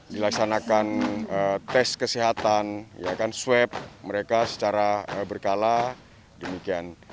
dilaksanakan tes kesehatan swab mereka secara berkala demikian